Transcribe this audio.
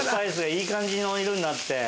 いい感じの色になって。